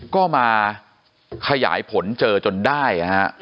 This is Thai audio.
ก็มาขยายผลเจอจนได้นะฮะ